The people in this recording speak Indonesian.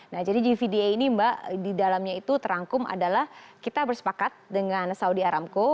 nah jadi gvda ini mbak di dalamnya itu terangkum adalah kita bersepakat dengan saudi aramco